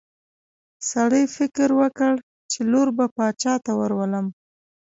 سړي فکر وکړ چې لور به باچا ته ورولم.